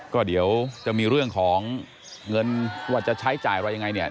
ก็เดี๋ยวจะมีเรื่องของเงินว่าจะใช้จ่ายอะไรยังไงเนี่ย